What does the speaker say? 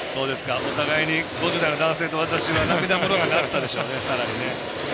お互い、５０代の男性と私は、涙もろくなったでしょうねさらにね。